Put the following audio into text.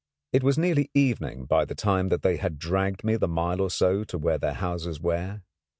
It was nearly evening by the time that they had dragged me the mile or so to where their houses were.